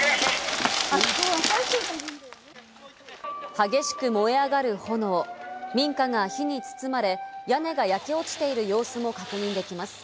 激しく燃え上がる炎、民家が火に包まれ、屋根が焼け落ちている様子も確認できます。